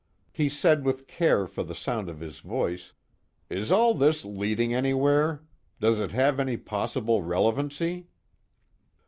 He said with care for the sound of his voice: "Is all this leading anywhere? Does it have any possible relevancy?"